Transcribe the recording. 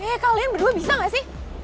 eh kalian berdua bisa nggak sih